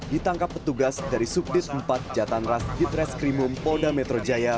ditangkap petugas dari subdit empat jatanras ditreskrimum polda metro jaya